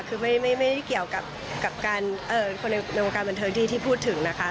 คือไม่ได้เกี่ยวกับคนในวงการบันเทิงที่พูดถึงนะคะ